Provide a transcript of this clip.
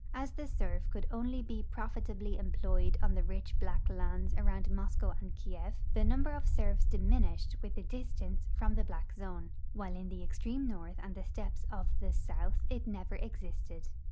As the serf could only he profit ably employed on the rich black lands around Moscoav and Kief, the number of serfs diminished Avith the distance from the black zone, Avhile in the extreme north and the steppes of the south it never existed.